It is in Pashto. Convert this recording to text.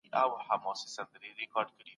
که علمي مواد وي نو پرمختګ نه دریږي.